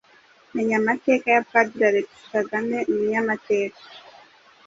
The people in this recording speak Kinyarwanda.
Menya amateka ya Padiri Alexis Kagame: umunyamateka,